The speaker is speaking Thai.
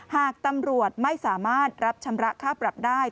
หากตำรวจไม่สามารถรับชำระค่าปรับได้